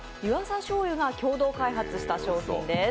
醤油が共同開発した商品です。